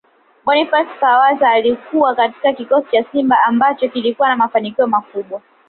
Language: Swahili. Boniface Pawasa Alikuwepo katika kikosi cha Simba ambacho kilikuwa na mafanikio makubwa